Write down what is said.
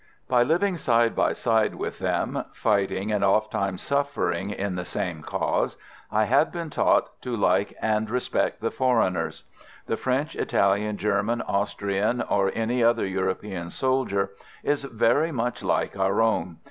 By living side by side with them, fighting, and ofttimes suffering, in the same cause, I had been taught to like and respect the foreigners. The French, Italian, German, Austrian, or any other European soldier is very much like our own.